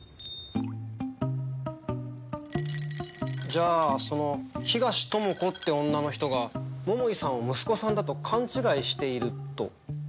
じゃあその東智子って女の人が桃井さんを息子さんだと勘違いしていると。